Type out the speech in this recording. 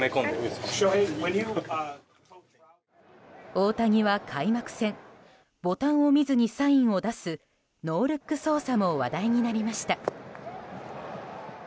大谷は開幕戦、ボタンを見ずにサインを出すノールック操作も話題になりました。